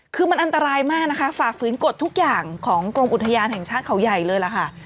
คือมันอันตรายมากนะคะฝ่าฝืนกฎทุกอย่างของกรมอุทยานแห่งชาติเขาใหญ่เลยล่ะค่ะ